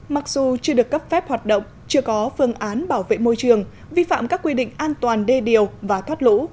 mặc dù chưa được cấp phép hoạt động chưa có phương án bảo vệ môi trường vi phạm các quy định an toàn đê điều và thoát lũ